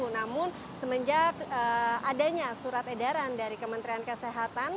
namun semenjak adanya surat edaran dari kementerian kesehatan